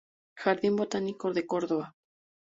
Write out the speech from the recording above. Jardín Botánico de Córdoba.